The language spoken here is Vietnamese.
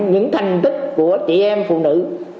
những thành tích của chị em phụ nữ